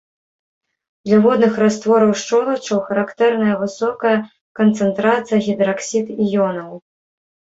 Для водных раствораў шчолачаў характэрная высокая канцэнтрацыя гідраксід-іёнаў.